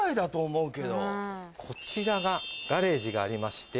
こちらがガレージがありまして。